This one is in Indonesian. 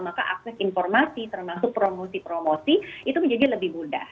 maka akses informasi termasuk promosi promosi itu menjadi lebih mudah